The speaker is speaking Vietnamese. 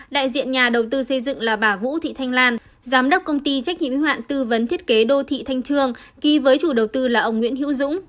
đại diện nhà đầu tư xây dựng là bà vũ thị thanh lan giám đốc công ty trách nhiệm hoạn tư vấn thiết kế đô thị thanh trương ký với chủ đầu tư là ông nguyễn hữu dũng